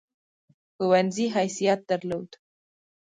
ښوونځي حیثیت درلود.